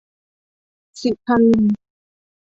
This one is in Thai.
ศิครินทร์